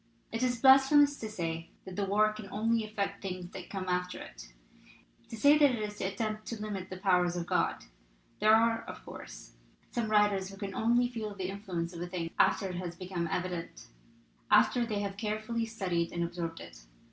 "It is blasphemous to say that the war can only affect things that come after it; to say that is to attempt to limit the powers of God. There are, of course, some writers who can only feel the influence of a thing after it has become evident; after they have carefully studied and absorbed it.